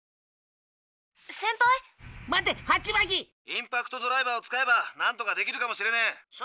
インパクトドライバーを使えばなんとかできるかもしれねえ。